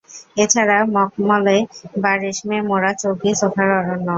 এ ছাড়া মকমলে বা রেশমে মোড়া চৌকি-সোফার অরণ্য।